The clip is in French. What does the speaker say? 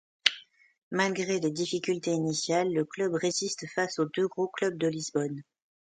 Malgré les difficultés initiales, le club résiste face aux deux gros clubs de Lisbonne.